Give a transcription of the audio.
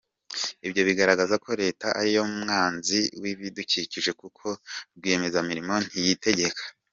ibyo bigaragaza ko leta ariyo mwanzi w ibidukikije kuko rwiyemezamirimo ntiyitegeka.